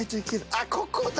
あっここだ！